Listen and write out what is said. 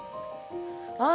あ